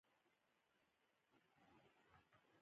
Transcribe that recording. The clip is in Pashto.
په ښار کې دوه ځلي د جګړې پر ضد لاریونونه وشول.